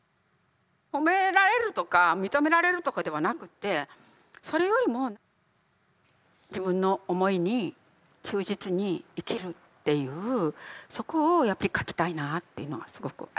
褒められるとか認められるとかではなくてそれよりも自分の思いに忠実に生きるっていうそこをやっぱり書きたいなあっていうのがすごくありました。